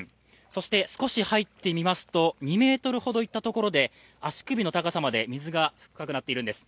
そして、少し入ってみますと２ｍほど行ったところで足首の高さまで水が高くなっているんです。